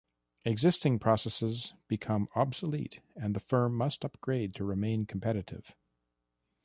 Existing processes become obsolete and the firm must upgrade to remain competitive.